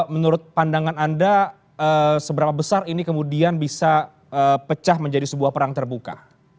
menurut pandangan anda seberapa besar ini kemudian bisa pecah menjadi sebuah perang terbuka